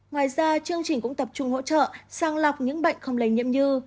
ngoài ra chương trình cũng tập trung hỗ trợ sàng lọc những bệnh không lấy nhiễm như